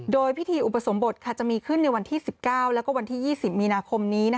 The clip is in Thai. โดยพิธีอุปสมบทจะมีขึ้นในวันที่๑๙แล้วก็วันที่๒๐มีนาคมนี้